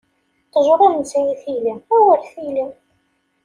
Ṭṭejṛa ur nesɛi tili, awer tili!